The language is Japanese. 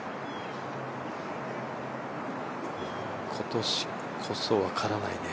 今年こそ分からないね。